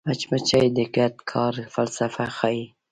مچمچۍ د ګډ کار فلسفه ښيي